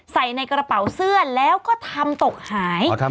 ใส่ในกระเป๋าเสื้อแล้วก็ทำตกหาย